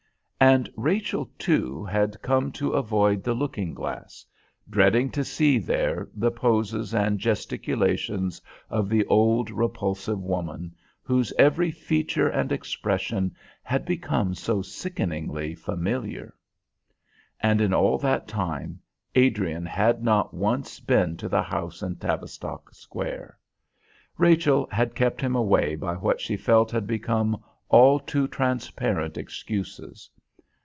And Rachel, too, had come to avoid the looking glass, dreading to see there the poses and gesticulations of the old, repulsive woman whose every feature and expression had become so sickeningly familiar. And, in all that time, Adrian had not once been to the house in Tavistock Square. Rachel had kept him away by what she felt had become all too transparent excuses.